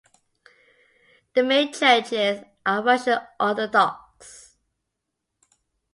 The main churches are Russian Orthodox.